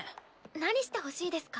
何してほしいですか？